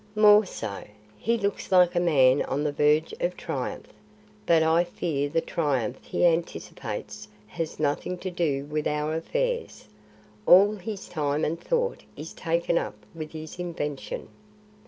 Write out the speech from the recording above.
"More so; he looks like a man on the verge of triumph. But I fear the triumph he anticipates has nothing to do with our affairs. All his time and thought is taken up with his invention."